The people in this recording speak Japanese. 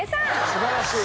素晴らしい。